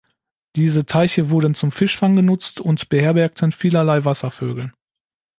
Diese Teiche wurden zum Fischfang genutzt und beherbergten vielerlei Wasservögel.